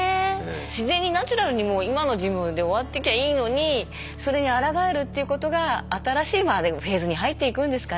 自然にナチュラルにもう今の自分で終わってきゃいいのにそれにあらがえるっていうことが新しいフェーズに入っていくんですかね。